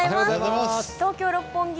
東京・六本木